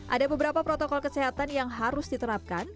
ada beberapa protokol kesehatan yang harus diterapkan